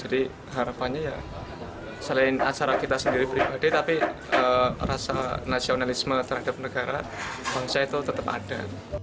jadi harapannya ya selain asara kita sendiri pribadi tapi rasa nasionalisme terhadap negara bangsa itu tetap ada